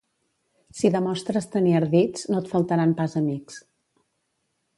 Si demostres tenir ardits, no et faltaran pas amics.